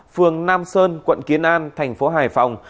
phường nam sơn quận kiến an thành phố hải phòng